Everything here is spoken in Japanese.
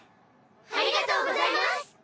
ありがとうございます！